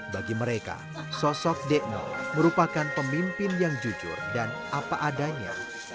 bagi mereka sosok dekno merupakan pemimpin yang jujur dan apa adanya